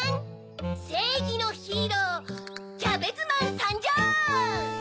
せいぎのヒーローキャベツマンさんじょう！